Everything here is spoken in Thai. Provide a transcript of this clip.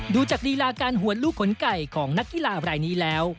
ดูจากลีลาการหวนลูกขนไก่ของนักกีฬารายนี้แล้ว